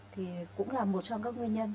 thì cũng là một trong các nguyên nhân